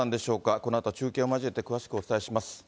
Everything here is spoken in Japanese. このあと中継を交えて詳しくお伝えします。